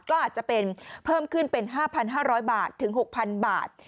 ก็อาจจะเป็นเพิ่มขึ้นเป็น๕๕๐๐บาทถึง๖๐๐๐บาท